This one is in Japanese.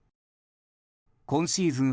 今シーズン